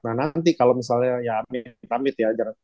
nah nanti kalau misalnya ya amit pamit ya